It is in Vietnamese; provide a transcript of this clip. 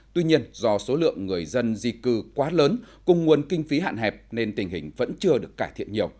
tuy nhiên do số lượng người dân di cư quá lớn cùng nguồn kinh phí hạn hẹp nên tình hình vẫn chưa được cải thiện nhiều